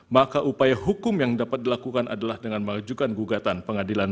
maka upaya hukum yang dapat dilakukan adalah dengan mengajukan gugatan pengadilan